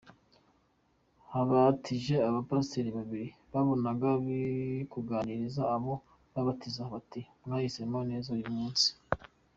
Habatije Abapasteri babiri wabonaga barikuganiriza abo babatiza bati:”Mwahisemo neza uyu munsi”.